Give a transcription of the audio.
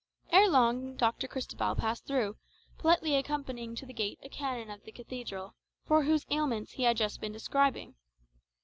Ere long Dr. Cristobal passed through, politely accompanying to the gate a canon of the cathedral, for whose ailments he had just been prescribing.